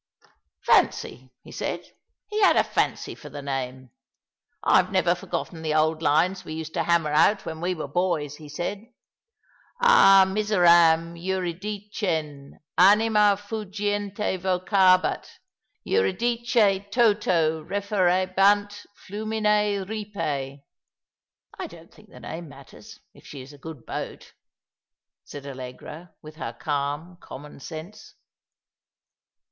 'Fancy,' he said; he had a fancy for the name. * I've never forgotten the old lines we used to hammer out when we were boys,' he said — 'Ah, miseram, Eurydicen! anima fugiente vocabat; Eurydicen toto referebant flumine ripse.' "" I don't think the name matters, if she is a good boat," said AUegra, with her calm common sense.